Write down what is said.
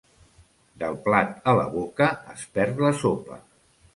Del plat a la boca es perd la sopa.